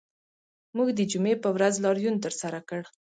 موږ د جمعې په ورځ لاریون ترسره کړ